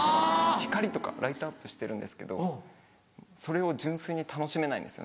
光とかライトアップしてるんですけどそれを純粋に楽しめないんですよ